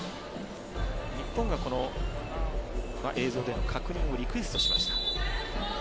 日本が映像での確認をリクエストしました。